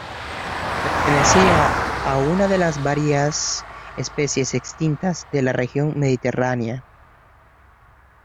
Pertenecía a una de las varias especies extintas de la región mediterránea.